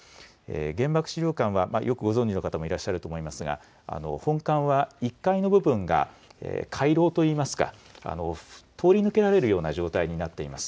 原爆資料館はよくご存じの方もいらっしゃると思いますが、本館は１階の部分が回廊といいますか、通り抜けられるような状態になっています。